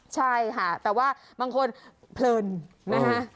ใช่ค่ะแต่ว่าบางคนเพลินนะฮะ